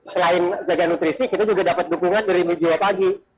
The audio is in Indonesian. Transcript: selain jaga nutrisi kita juga dapat dukungan dari mujio pagi